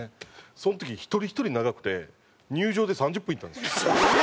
その時一人一人長くて入場で３０分いったんですよ。